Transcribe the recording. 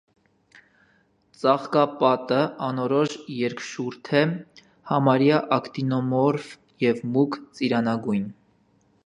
Ծաղկապատը անորոշ երկշուրթ է, համարյա ակտինոմորֆ և մուգ ծիրանագույն։